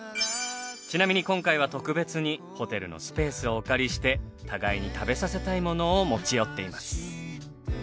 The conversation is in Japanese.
ちなみに今回は特別にホテルのスペースをお借りして互いに食べさせたいものを持ち寄っています。